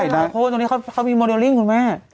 นางมีโมเดอร์ลิ่งคุณแม่